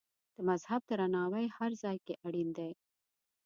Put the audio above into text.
د مذهب درناوی هر ځای کې اړین دی.